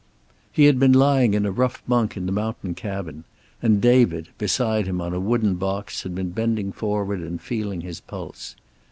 He had been lying in a rough bunk in the mountain cabin, and David, beside him on a wooden box, had been bending forward and feeling his pulse.